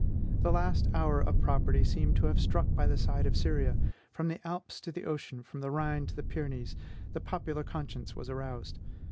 The last hour of property seemed to have struck by the side of Syria; from the Alps to the ocean, from the Rhine to the Pyrenees, the popular conscience was aroused.